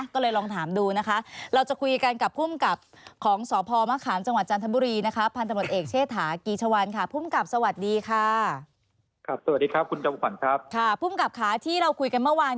ก็เลยลองถามดูนะคะ